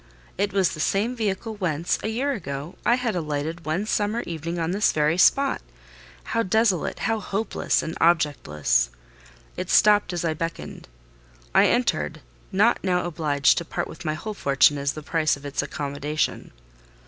It was the same vehicle whence, a year ago, I had alighted one summer evening on this very spot—how desolate, and hopeless, and objectless! It stopped as I beckoned. I entered—not now obliged to part with my whole fortune as the price of its accommodation.